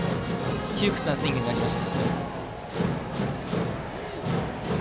窮屈なスイングになりました。